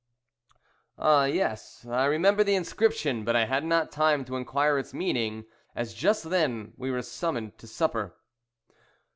"Oh, yes, I remember the inscription; but I had not time to inquire its meaning, as just then we were summoned to supper."